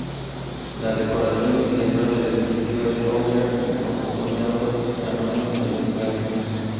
La decoración interior del edificio es sobria, como corresponde a los cánones del Neoclasicismo.